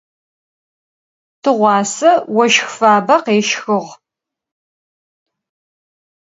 Tığuase voşx fabe khêşxığ.